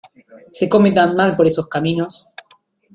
¡Se come tan mal por esos caminos!